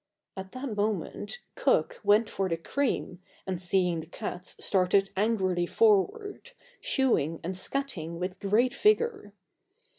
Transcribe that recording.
At that moment Cook went for the cream and seeing the cats started angrily forward, shoo ing and scat ing with great vigour.